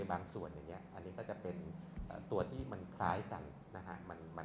อันนี้ก็จะเป็นตัวที่มันคล้ายกันนะครับ